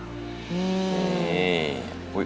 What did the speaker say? อุ๊ยพอครับ